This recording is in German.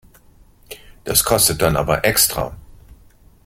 Das kostet dann aber extra.